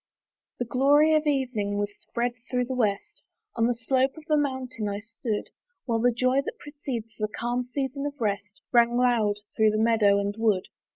The glory of evening was spread through the west; On the slope of a mountain I stood; While the joy that precedes the calm season of rest Rang loud through the meadow and wood.